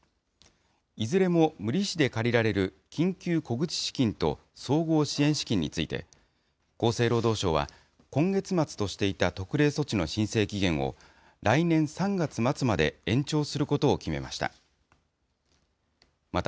いずれも無利子で借りられる緊急小口資金と、総合支援資金について、厚生労働省は、今月末としていた特例措置の申請期限を来年３月末まで延長することを決めました。